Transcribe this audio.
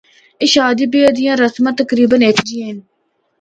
اے شادی بیاہ دیاں رسماں تقریبا ہک جیاں ہن۔